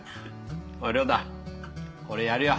おい亮太これやるよ。